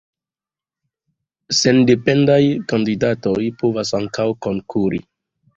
Sendependaj kandidatoj povas ankaŭ konkuri.